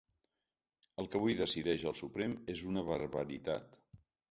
El que avui decideix el Suprem és una barbaritat.